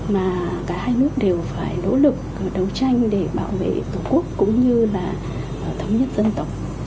mà cả hai nước đều phải nỗ lực đấu tranh để bảo vệ tổ quốc cũng như là thống nhất dân tộc